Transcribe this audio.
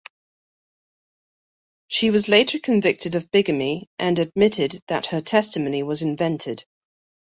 She was later convicted of bigamy, and admitted that her testimony was invented.